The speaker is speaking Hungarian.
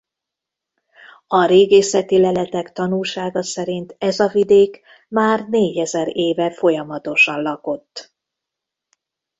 A régészeti leletek tanúsága szerint ez a vidék már négyezer éve folyamatosan lakott.